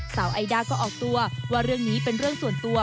ไอด้าก็ออกตัวว่าเรื่องนี้เป็นเรื่องส่วนตัว